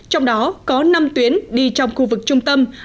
trong đó có năm tuyến đi trong khu vực trung tâm